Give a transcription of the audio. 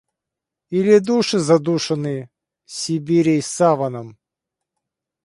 Или души задушены Сибирей саваном?